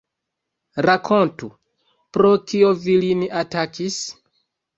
Rakontu, pro kio vi lin atakis?